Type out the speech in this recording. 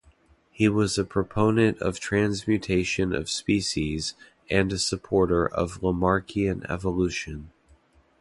He was a proponent of transmutation of species and a supporter of Lamarckian evolution.